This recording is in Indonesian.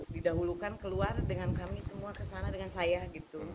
didahulukan keluar dengan kami semua kesana dengan saya gitu